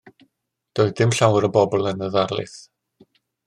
Doedd dim llawer o bobl yn y ddarlith.